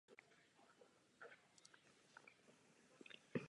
Kapitalismus není jen praktickým nástrojem k dosažení blahobytu člověka.